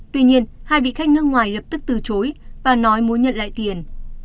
tuy nhiên hai vị khách nước ngoài lập tức từ chối và nói muốn nhận lại tiền